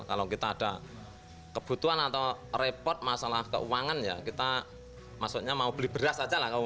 kalau kita ada kebutuhan atau repot masalah keuangan ya kita maksudnya mau beli beras saja lah